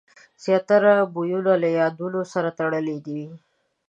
زیاتره بویونه له یادونو سره تړلي وي.